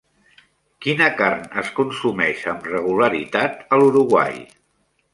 Quina carn es consumeix amb regularitat a l'Uruguai?